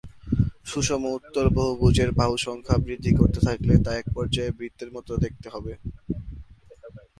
সুষম উত্তল বহুভুজের বাহু সংখ্যা বৃদ্ধি করতে থাকলে তা একপর্যায়ে বৃত্তের মত দেখতে হবে।